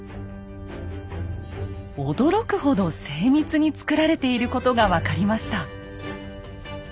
驚くほど精密につくられていることが分かりました。